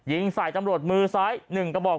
ยิงใส่ตำรวจมือซ้าย๑กระบอก